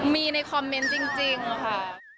มีในคอมเมนต์จริงค่ะ